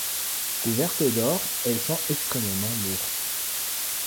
Couvertes d'or, elles sont extrêmement lourdes.